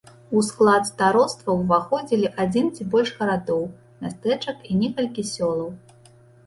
У склад староства ўваходзілі адзін ці больш гарадоў, мястэчак і некалькі сёлаў.